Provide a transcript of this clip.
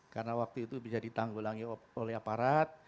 karena waktu itu bisa ditanggulangi oleh aparat